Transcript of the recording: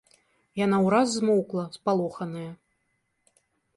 Яна ўраз змоўкла, спалоханая.